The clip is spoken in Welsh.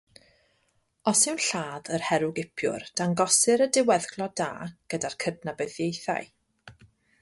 Os yw'n lladd yr herwgipiwr, dangosir y diweddglo da gyda'r cydnabyddiaethau.